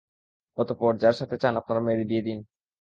অতঃপর, যার সাথে চান আপনার মেয়ের বিয়ে দিন।